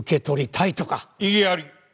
異議あり！